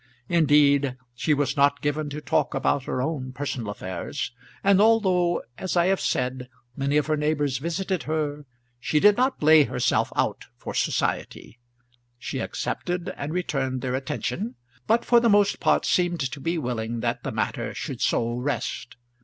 Indeed, she was not given to talk about her own personal affairs; and although, as I have said, many of her neighbours visited her, she did not lay herself out for society. She accepted and returned their attention, but for the most part seemed to be willing that the matter should so rest.